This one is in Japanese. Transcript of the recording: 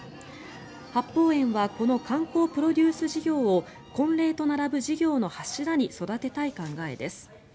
八芳園はこの観光プロデュース事業を婚礼と並ぶ事業の柱に育てたい考えです。